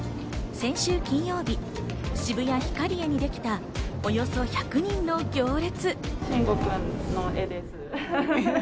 先週金曜日、渋谷ヒカリエにできたおよそ１００人の行列。